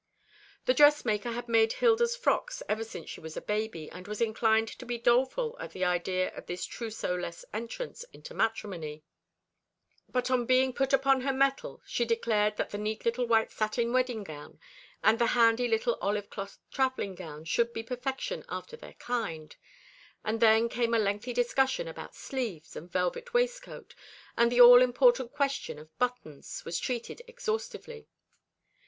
The dressmaker had made Hilda's frocks ever since she was a baby, and was inclined to be doleful at the idea of this trousseaux less entrance into matrimony; but on being put upon her mettle she declared that the neat little white satin wedding gown and the handy little olive cloth travelling gown should be perfection after their kind; and then came a lengthy discussion about sleeves and velvet waistcoat, and the all important question of buttons was treated exhaustively.